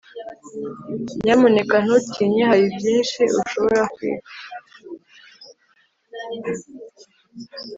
nyamuneka ntutinye, hari byinshi ushobora kwiga